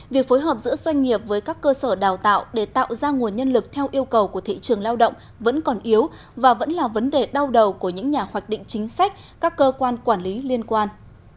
việc phối hợp giữa doanh nghiệp với các cơ sở đào tạo để tạo ra nguồn nhân lực theo yêu cầu của thị trường lao động vẫn còn yếu và vẫn là vấn đề đau đầu của những nhà hoạch định chính sách các cơ quan quản lý liên quan